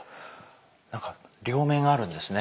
何か両面あるんですね。